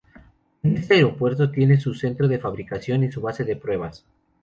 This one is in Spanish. En este aeropuerto tiene su centro de fabricación y su base de pruebas.